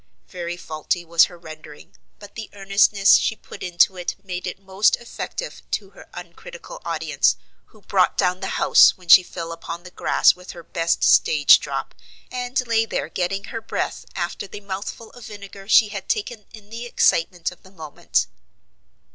Very faulty was her rendering, but the earnestness she put into it made it most effective to her uncritical audience, who "brought down the house," when she fell upon the grass with her best stage drop, and lay there getting her breath after the mouthful of vinegar she had taken in the excitement of the moment.